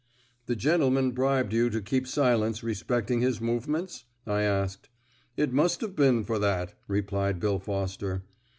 "The gentleman bribed you to keep silence respecting his movements?" I asked. "It must have been for that," replied Bill Foster.